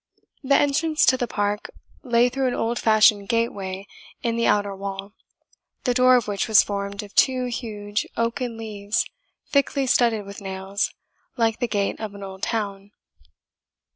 The entrance to the park lay through an old fashioned gateway in the outer wall, the door of which was formed of two huge oaken leaves thickly studded with nails, like the gate of an old town.